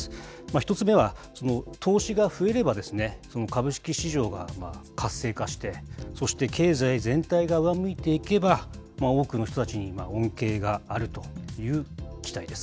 １つ目は、その投資が増えれば、株式市場が活性化して、そして経済全体が上向いていけば、多くの人たちに恩恵があるという期待です。